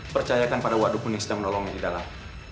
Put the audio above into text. percayakan pada wadukunis yang menolongnya di dalam